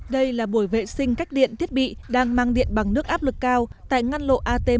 đây là buổi vệ sinh cách điện thiết bị đang mang điện bằng nước áp lực cao tại ngăn lộ at một